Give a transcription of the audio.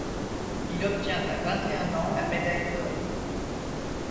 Il obtient à vingt et un ans la médaille d'or.